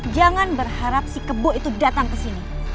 jangan berharap si kebo itu datang ke sini